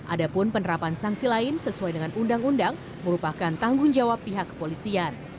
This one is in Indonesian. ada pun penerapan sanksi lain sesuai dengan undang undang merupakan tanggung jawab pihak kepolisian